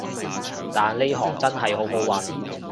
但呢行真係好好搵